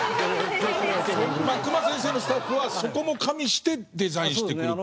まあ隈先生のスタッフはそこも加味してデザインしてくるって事ですか？